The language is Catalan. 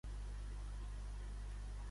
Què va fer Hèracles amb el cos d'Argeu?